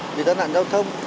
người ta nạn giao thông